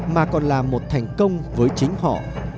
mà còn là một thành công với chính họ